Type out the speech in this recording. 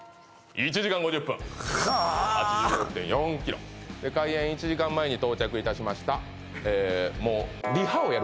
１時間５０分カーッ８６．４ｋｍ開演１時間前に到着いたしました